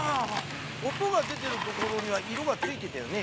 音が出ているところには色がついてたよね。